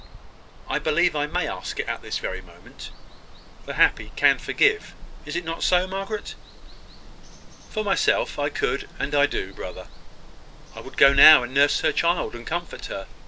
"I believe I may ask it at this very moment. The happy can forgive. Is it not so, Margaret?" "For myself I could and I do, brother. I would go now and nurse her child, and comfort her.